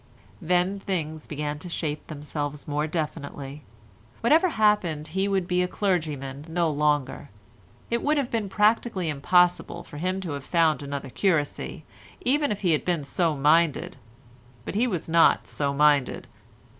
Then things began to shape themselves more definitely. Whatever happened he would be a clergyman no longer. It would have been practically impossible for him to have found another curacy, even if he had been so minded, but he was not so minded.